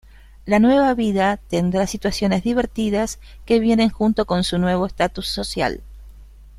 La nueva vida tendrá situaciones divertidas que vienen junto con su nuevo estatus social.